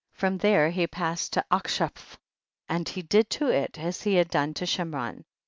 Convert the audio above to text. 46. From there he passed to Ach shaph and he did to it as he had done to Shimron.